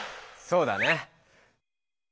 そうだね。